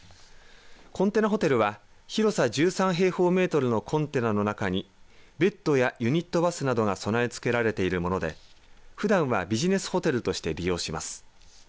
コンテナホテルは広さ１３平方メートルのコンテナの中にベッドやユニットバスなどが備えつけられているものでふだんはビジネスホテルとして利用します。